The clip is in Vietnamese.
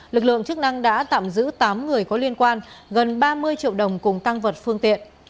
lực lượng chức năng đã tạm giữ tám người có liên quan gần ba mươi triệu đồng cùng tăng vật phương tiện